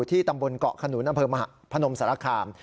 ที่ตำบลเกาะขนุนอำเภอพนมสารคาม